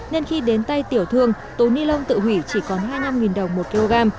nên khi đến tay tiểu thương túi ni lông tự hủy chỉ còn hai mươi năm đồng một kg